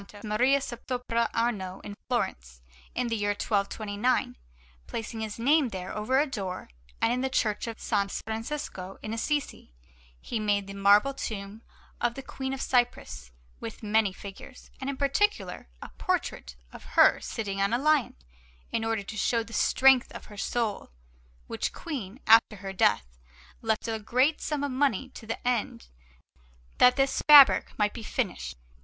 Maria sopra Arno in Florence, in the year 1229, placing his name there, over a door, and in the Church of S. Francesco in Assisi he made the marble tomb of the Queen of Cyprus, with many figures, and in particular a portrait of her sitting on a lion, in order to show the strength of her soul; which Queen, after her death, left a great sum of money to the end that this fabric might be finished.